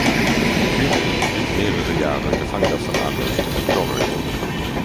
Hywel blieb mehrere Jahre Gefangener von Arnulf de Montgomery.